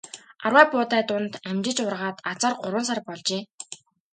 Арвай буудай дунд амжиж ургаад азаар гурван сар болжээ.